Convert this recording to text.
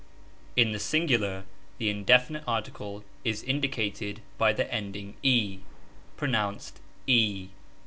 In the singular the indefinite article is indicated by the ending ^, pronounced e.